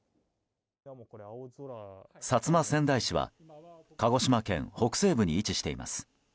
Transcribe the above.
薩摩川内市は鹿児島県北西部に位置しています。